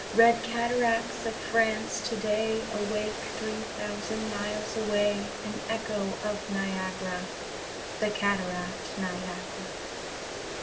Red cataracts of France today Awake, three thousand miles away An echo of Niagara, The cataract Niagara.